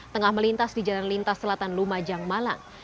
tengah melintas di jalan lintas selatan lumajang malang